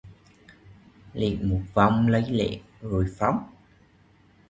Liệng một vòng lấy lệ rồi phóng